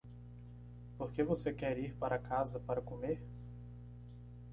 Por que você quer ir para casa para comer?